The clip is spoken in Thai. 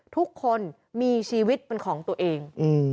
ทุกคนมีชีวิตเป็นของตัวเอง